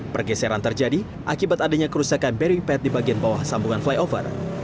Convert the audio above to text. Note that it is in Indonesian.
pergeseran terjadi akibat adanya kerusakan berry pad di bagian bawah sambungan flyover